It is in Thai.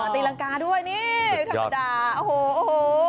ตีรังกาด้วยนี่ธรรมดาโอ้โหโอ้โห